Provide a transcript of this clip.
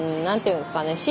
何ていうんですかね